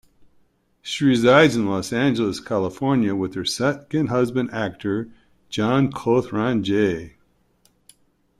She resides in Los Angeles, California with her second husband actor, John Cothran J.